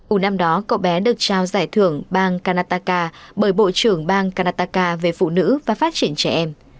ủ năm đó cậu bé được trao giải thưởng bang canataka bởi bộ trưởng bang kanataka về phụ nữ và phát triển trẻ em